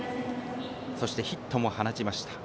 そしてヒットも放ちました。